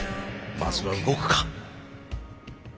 まずは動くか。